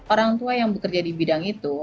orang tua yang bekerja di bidang itu